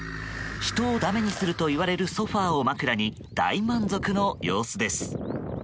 人をだめにするといわれるソファを枕に大満足の様子です。